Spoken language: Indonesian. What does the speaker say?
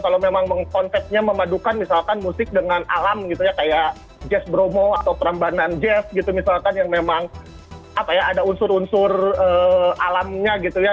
kalau memang konsepnya memadukan misalkan musik dengan alam gitu ya kayak jazz bromo atau perembanan jazz gitu misalkan yang memang apa ya ada unsur unsur alamnya gitu ya